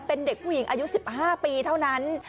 เป็นเด็กผู้หญิงอายุ๑๕ปีเท่านั้น